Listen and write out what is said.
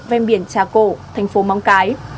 vem biển trà cổ thành phố móng cái